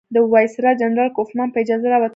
د وایسرا جنرال کوفمان په اجازه راوتلی یم.